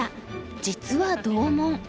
実は同門。